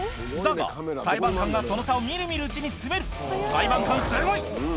だが裁判官がその差を見る見るうちに詰める裁判官すごい！